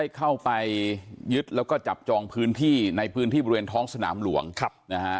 เข้าไปยึดแล้วก็จับจองพื้นที่ในพื้นที่บริเวณท้องสนามหลวงนะฮะ